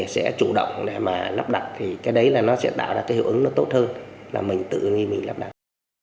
sẽ chủ động để mà lắp đặt thì cái đấy là nó sẽ tạo ra cái hiệu ứng nó tốt hơn là mình tự nghĩ mình lắp đặt